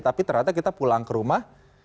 tapi ternyata kita pulang ke rumah